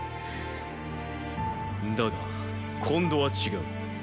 だが今度は違う。